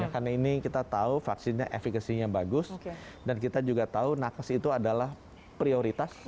karena ini kita tahu vaksinnya efekasinya bagus dan kita juga tahu nakes itu adalah prioritas